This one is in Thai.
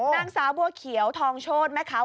นั่งซ้าบัวเขียวทองโชธไหมคะ